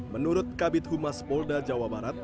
menurut kabit humas polda jawa barat